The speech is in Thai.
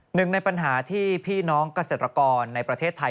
หนึ่งในปัญหาที่พี่น้องเกษตรกรในประเทศไทย